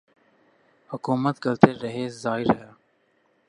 حکومت کرتے رہے ظاہر ہے